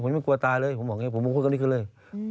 ผมไม่กลัวตายเลยผมพูดคนนี้ขึ้นเลย